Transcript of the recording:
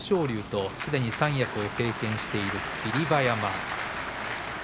龍とすでに三役を経験している霧馬山。